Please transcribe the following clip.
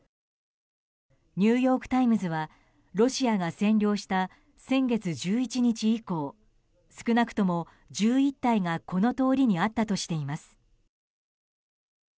ニューヨーク・タイムズはロシアが占領した先月１１日以降少なくとも１１体がこの通りにあったとしています。